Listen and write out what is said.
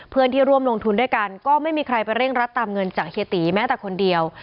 เพื่อนที่ร่วมลงทุนด้วยกันก็ไม่มีใครไปเร่งรัดตามเงินจากเฮียตีแม้แต่คนเดียว